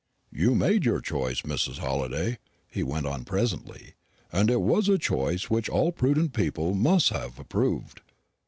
"You made your choice, Mrs. Halliday," he went on presently, "and it was a choice which all prudent people must have approved.